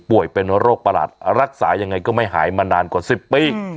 เป็นโรคประหลาดรักษายังไงก็ไม่หายมานานกว่า๑๐ปี